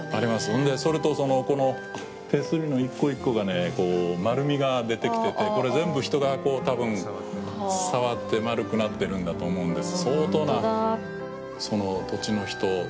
それで、それとこの手すりの１個１個がね、こう丸みが出てきてて、これ、全部、人が多分、触って丸くなってるんだと思うんです。